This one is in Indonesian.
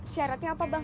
syaratnya apa bang